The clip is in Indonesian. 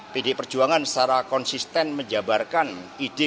pdi perjuangan secara konsisten menjabarkan ide